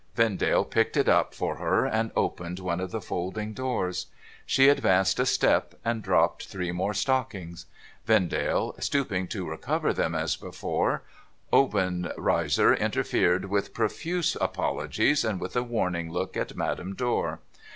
Vendale picked it up for her, and opened one of the folding doors. She advanced a step, and dropped three more stockings. Vendale, stooping to recover them as before, Obenreizer interfered with profuse apologies, and with a warning look at Madame Dor.